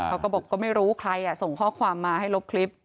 เขาก็บอกก็ไม่รู้ใครส่งข้อความมาให้ลบคลิป